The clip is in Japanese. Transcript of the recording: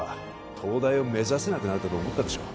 東大を目指せなくなるとでも思ったんでしょう